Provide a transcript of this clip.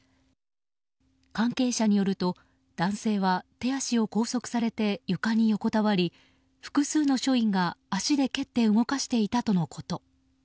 関係者によると男性は手足を拘束されて床に横たわり、複数の署員が足で蹴って動かしていたとのこと。